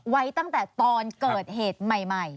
ไว้ตั้งแต่ตอนเกิดเหตุใหม่